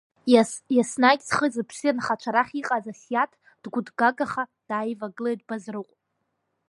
Иаснагь зхи-зыԥси анхацәа рахь иҟаз Асиаҭ, дгәыҭгагаха дааивагылеит Базрыҟә.